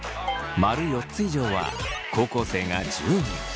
○４つ以上は高校生が１０人。